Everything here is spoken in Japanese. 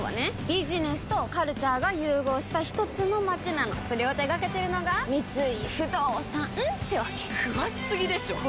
ビジネスとカルチャーが融合したひとつの街なのそれを手掛けてるのが三井不動産ってわけ詳しすぎでしょこりゃ